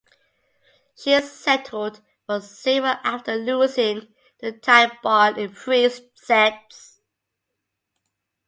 She settled for silver after losing to Tine Baun in three sets.